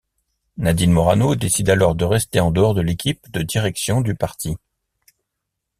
Nadine Morano décide alors de rester en dehors de l'équipe de direction du parti.